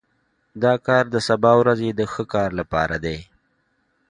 دا کار د سبا ورځې د ښه کار لپاره دی